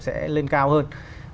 sẽ lên cao hơn